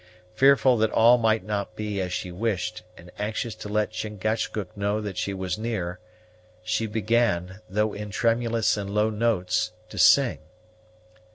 Fearful that all might not be as she wished, and anxious to let Chingachgook know that she was near, she began, though in tremulous and low notes, to sing.